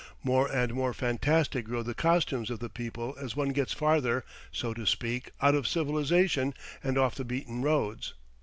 More and more fantastic grow the costumes of the people as one gets farther, so to speak, out of civilization and off the beaten roads.